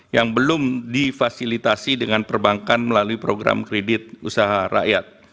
yang belum difasilitasi dengan perbankan melalui program kredit usaha rakyat